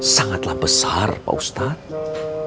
sangatlah besar pak ustadz